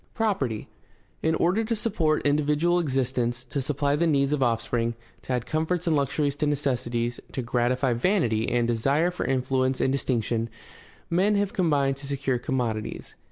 Property. — In order to support individual existence, to supply the needs of offspring, to add comforts and luxuries to necessities, to gratify vanity and desire for influence and distinction, men have combined to secure commodities.